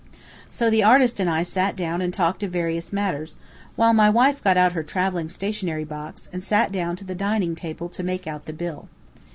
So the artist and I sat down and talked of various matters, while my wife got out her traveling stationery box, and sat down to the dining table to make out the bill.